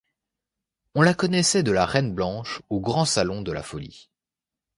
On la connaissait de la Reine-Blanche au Grand Salon de la Folie.